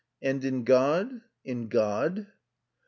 "And in God? In God?"